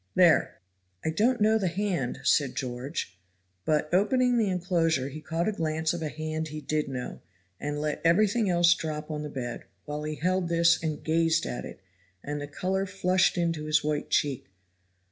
"There." "I don't know the hand," said George. But opening the inclosure he caught a glance of a hand he did know, and let everything else drop on the bed, while he held this and gazed at it, and the color flushed into his white cheek.